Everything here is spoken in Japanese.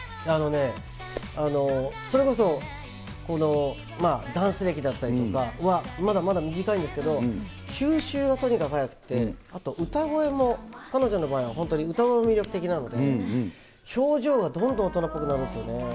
あのね、それこそダンス歴だったりとかは、まだまだ短いんですけど、吸収がとにかく早くって、あと歌声も、彼女の場合は、本当に歌声も魅力的なので、表情がどんどん大人っぽくなるんですよね。